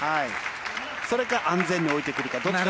それか安全に置いてくるかのどちらか。